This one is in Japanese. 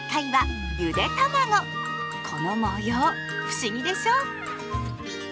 この模様不思議でしょ？